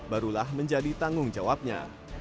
barulah menjadi tanggung jawabnya